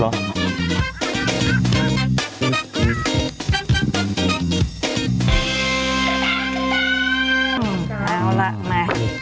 เอาล่ะมา